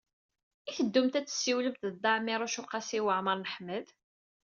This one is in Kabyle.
I teddumt ad tessiwlemt ed Dda Ɛmiiruc u Qasi Waɛmer n Ḥmed?